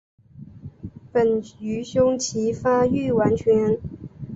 本鱼胸鳍发育完全。